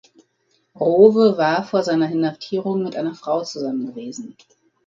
Rowe war vor seiner Inhaftierung mit einer Frau zusammen gewesen.